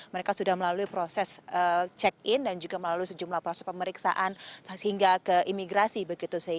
mereka sudah melalui proses check in dan juga melalui sejumlah proses pemeriksaan hingga ke imigrasi begitu